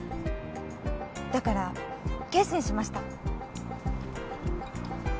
だから決心しました。